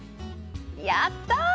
やったー！